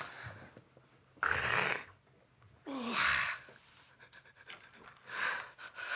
うわ。